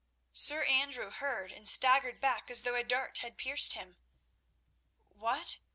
Sir Andrew heard and staggered back as though a dart had pierced him. "What?"